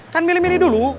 kan milih milih dulu